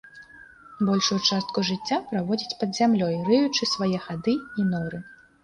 Большую частку жыцця праводзіць пад зямлёй, рыючы свае хады і норы.